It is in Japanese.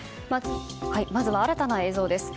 まずは新たな映像です。